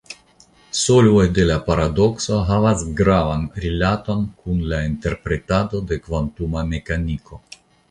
Solvoj de la paradokso havas gravan rilaton kun la interpretado de kvantuma mekaniko.